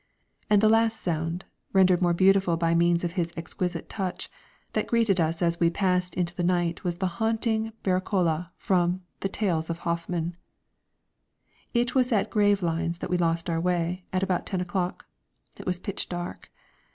And the last sound, rendered more beautiful by means of his exquisite touch, that greeted us as we passed into the night was the haunting Barcarolle from the Tales of Hoffmann. It was at Gravelines that we lost our way, at about ten o'clock. It was pitch dark.